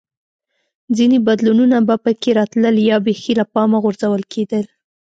ځیني بدلونونه به په کې راتلل یا بېخي له پامه غورځول کېده